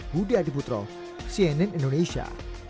budi adibutro cnn indonesia